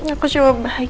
aku cuma bahagia aja sayang